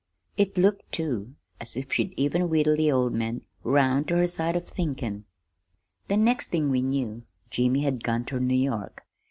It looked, too, as if she'd even wheedle the old man 'round ter her side of thinkin'." "The next thing we knew Jimmy had gone ter New York.